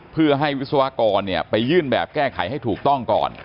เพื่อให้วิศวกรไปยื่นแบบแก้ไขให้ถูกต้องก่อน